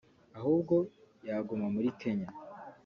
ahubwo yaguma muri Kenya”